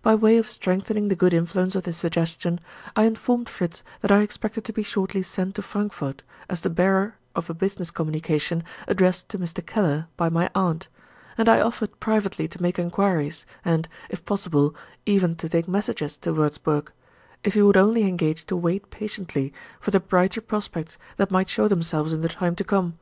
By way of strengthening the good influence of this suggestion, I informed Fritz that I expected to be shortly sent to Frankfort, as the bearer of a business communication addressed to Mr. Keller by my aunt; and I offered privately to make inquiries, and (if possible) even to take messages to Wurzburg if he would only engage to wait patiently for the brighter prospects that might show themselves in the time to come.